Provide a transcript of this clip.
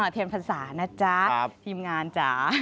เทียมภาษานะจ๊ะทีมงานจ๊ะ